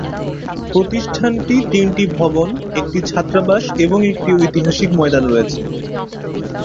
প্রতিষ্ঠানটিতে তিনটি ভবন, একটি ছাত্রাবাস এবং একটি ঐতিহাসিক ময়দান রয়েছে।